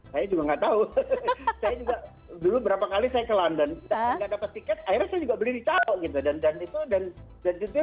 saya juga nggak tahu saya juga dulu berapa kali saya ke london nggak dapat tiket akhirnya saya juga beli di calo gitu